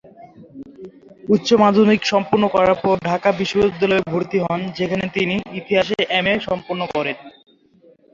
উচ্চ মাধ্যমিক সম্পন্ন করার পর ঢাকা বিশ্ববিদ্যালয়ে ভর্তি হন, যেখানে তিনি ইতিহাসে এমএ সম্পন্ন করেন।